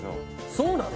そうなの？